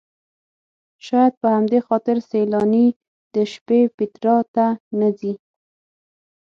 شاید په همدې خاطر سیلاني د شپې پیترا ته نه ځي.